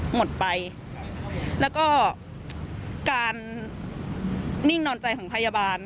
หมดไปแล้วก็การนิ่งนอนใจของพยาบาล